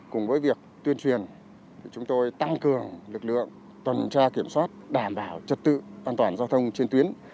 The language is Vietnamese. cùng với việc tuyên truyền chúng tôi tăng cường lực lượng tuần tra kiểm soát đảm bảo trật tự an toàn giao thông trên tuyến